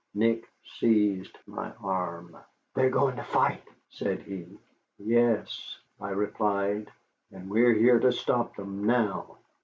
Nick seized my arm. "They are going to fight," said he. "Yes," I replied, "and we are here to stop them, now."